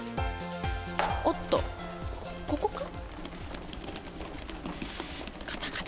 おっとここか？